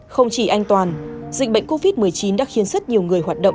không chỉ anh toàn dịch bệnh covid một mươi chín đã khiến rất nhiều người hoạt động